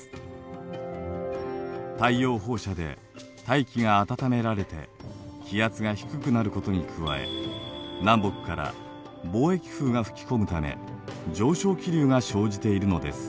太陽放射で大気が暖められて気圧が低くなることに加え南北から貿易風が吹き込むため上昇気流が生じているのです。